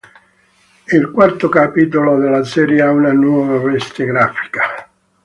Il quarto capitolo della serie ha una nuova veste grafica.